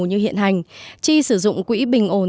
như hiện hành chi sử dụng quỹ bình ổn